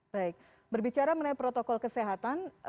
baik berbicara mengenai protokol kesehatan